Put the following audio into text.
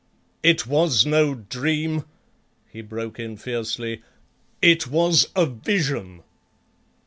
"It was no dream," he broke in fiercely; "it was a vision."